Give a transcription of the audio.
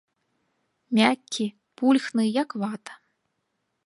Мяккі, пульхны, як вата.